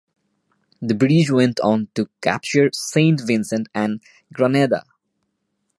The British went on to capture Saint Vincent and Grenada.